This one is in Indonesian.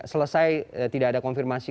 selesai tidak ada konfirmasi